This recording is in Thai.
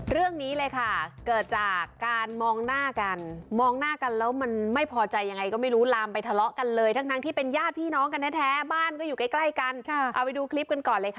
เรื่องนี้เลยค่ะเกิดจากการมองหน้ากันมองหน้ากันแล้วมันไม่พอใจยังไงก็ไม่รู้ลามไปทะเลาะกันเลยทั้งที่เป็นญาติพี่น้องกันแท้บ้านก็อยู่ใกล้กันเอาไปดูคลิปกันก่อนเลยค่ะ